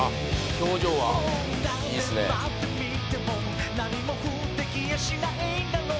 何年待ってみても何も降って来やしないんだろう？